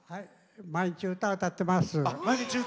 毎日歌、歌ってます。